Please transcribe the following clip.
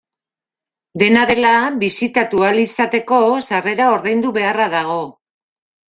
Dena dela, bisitatu ahal izateko, sarrera ordaindu beharra dago.